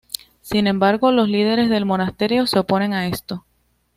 Sin embargo, los líderes del monasterio se oponen a esto.